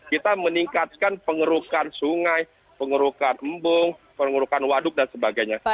kita meningkatkan pengerukan sungai pengerukan embung pengerukan waduk dan sebagainya